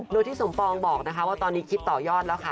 โดยที่สมปองบอกนะคะว่าตอนนี้คิดต่อยอดแล้วค่ะ